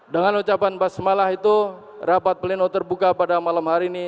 dengan ucapan basmalah itu rapat pleno terbuka pada malam hari ini